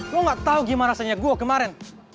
lo gak tau gimana rasanya gue kemaren